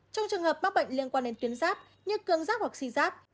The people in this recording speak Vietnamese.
trong trường hợp mắc bệnh liên quan đến tuyến sáp như cường sáp hoặc si sáp